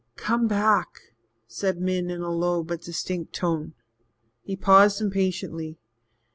"Come back," said Min in a low but distinct tone. He paused impatiently.